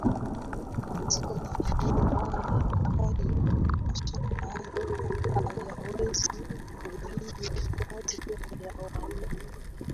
Katika maeneo hayo mashamba hayo hayawezi kuhimili idadi kubwa ya wanyama